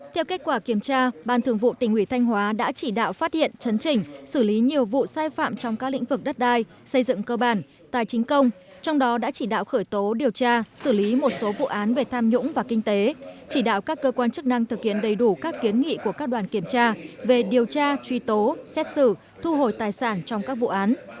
theo kết quả kiểm tra ban thường vụ tỉnh uỷ thanh hóa đã chỉ đạo phát hiện chấn trình xử lý nhiều vụ sai phạm trong các lĩnh vực đất đai xây dựng cơ bản tài chính công trong đó đã chỉ đạo khởi tố điều tra xử lý một số vụ án về tham nhũng và kinh tế chỉ đạo các cơ quan chức năng thực hiện đầy đủ các kiến nghị của các đoàn kiểm tra về điều tra truy tố xét xử thu hồi tài sản trong các vụ án